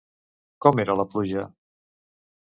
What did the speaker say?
Com era la pluja?